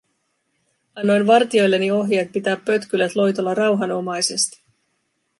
Annoin vartijoilleni ohjeet pitää pötkylät loitolla rauhanomaisesti.